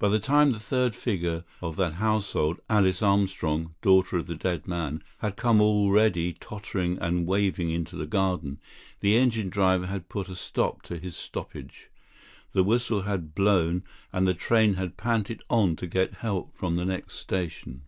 By the time the third figure of that household, Alice Armstrong, daughter of the dead man, had come already tottering and waving into the garden, the engine driver had put a stop to his stoppage. The whistle had blown and the train had panted on to get help from the next station.